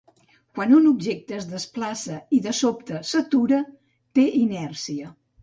Quan un objecte es desplaça i, de sobte, s'atura, té inèrcia.